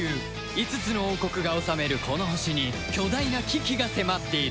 ５つの王国が治めるこの星に巨大な危機が迫っている